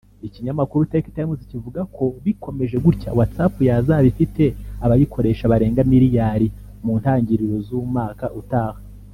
Ikinyamakuru Tech Times kivuga ko bikomeje gutya WhatsApp yazaba ifite abayikoresha barenga miliyari mu ntangiriro z’umaka utaha